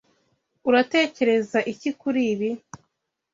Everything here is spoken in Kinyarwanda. Uratekereza iki kuri ibi?